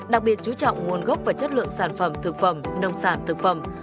đặc biệt chú trọng nguồn gốc và chất lượng sản phẩm thực phẩm nông sản thực phẩm